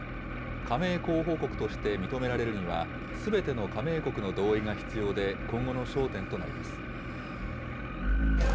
加盟候補国として認められるには、すべての加盟国の同意が必要で、今後の焦点となります。